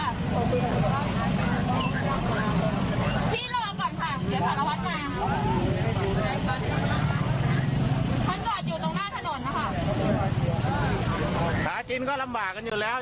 เขาจ่อยอยู่ตรงหน้าถนนนะค่ะหาจิ้นก็ลำบากกันอยู่แล้ว